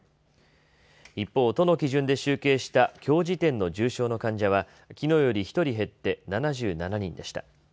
一方、都の基準で集計したきょう時点の重症の患者はきのうより１人減って７７人でした。